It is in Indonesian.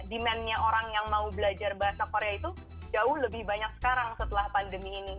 demandnya orang yang mau belajar bahasa korea itu jauh lebih banyak sekarang setelah pandemi ini